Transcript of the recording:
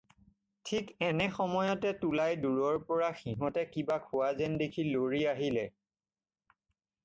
ঠিক এনে সময়তে তুলাই দূৰৰ পৰা সিহঁতে কিবা খোৱা যেন দেখি লৰি আহিলে।